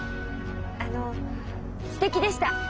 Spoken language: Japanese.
あのすてきでした。